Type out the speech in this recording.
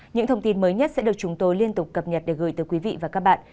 những thông tin mới nhất sẽ được chúng tôi liên tục cập nhật để gửi tới quý vị và các bạn